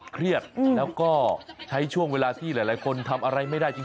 เครียดแล้วก็ใช้ช่วงเวลาที่หลายคนทำอะไรไม่ได้จริง